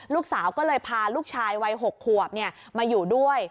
ลูกสาวก็เลยพาลูกชายวัย๖ขวบมาอยู่ด้วย